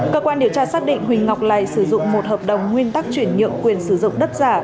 cơ quan điều tra xác định huỳnh ngọc lầy sử dụng một hợp đồng nguyên tắc chuyển nhượng quyền sử dụng đất giả